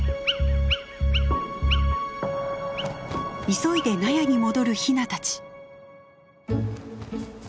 急いで納屋に戻るヒナたち。